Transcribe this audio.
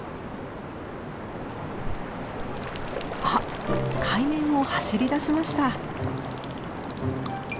あっ海面を走りだしました。